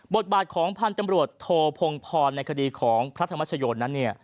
บทบาทของพันธุ์ตำรวจโทพงพรในคดีของพระธรรมชโยนั้น